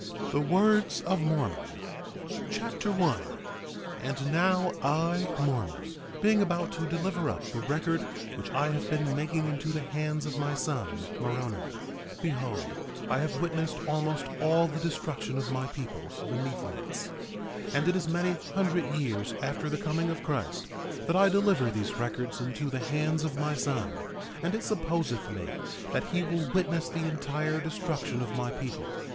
THE WORDS OF MORMON 1:1 And now I, Mormon, being about to deliver up the record which I have been making into the hands of my son Moroni, behold I have witnessed almost all the destruction of my people, the Nephites. 1:2 And it is many hundred years after the coming of Christ that I deliver these records into the hands of my son; and it supposeth me that he will witness the entire destruction of my people.